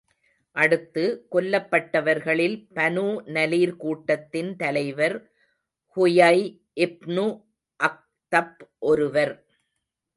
அடுத்து, கொல்லப்பட்டவர்களில் பனூ நலீர் கூட்டத்தின் தலைவர் ஹுயய் இப்னு அக்தப் ஒருவர்.